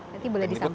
dan ikutan cnn jakarta